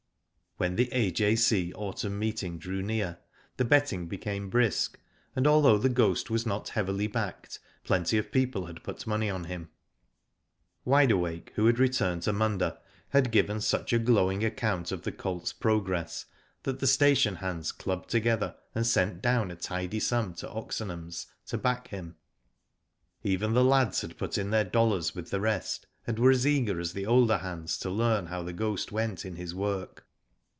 When the A.J.C. Autumn Meeting drew near, the betting became brisk, and although The Ghost was not heavily backed plenty of people had put money on him. Wide Awake, who had returned to Munda, had given such a glowing account of the colt's progress that the station hands clubbed together and sent down a tidy sum to Oxenham's to back him. ' Even the lads had put in their dollars with the rest, and were as eager as the older hands to learn how The Ghost went in his work.